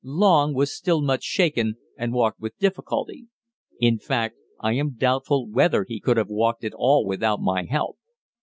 Long was still much shaken, and walked with difficulty; in fact, I am doubtful whether he could have walked at all without my help.